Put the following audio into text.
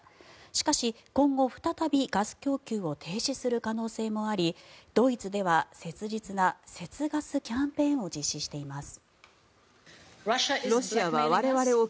しかし、今後、再びガス供給を停止する可能性もありドイツでは切実な節ガスキャンペーンを実施しています。